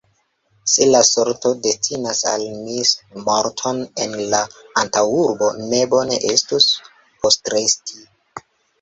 Se la sorto destinas al mi morton en la antaŭurbo, ne bone estus postresti.